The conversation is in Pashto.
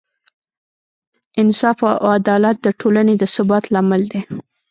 انصاف او عدالت د ټولنې د ثبات لامل دی.